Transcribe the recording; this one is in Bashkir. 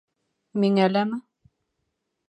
— Миңә ләме?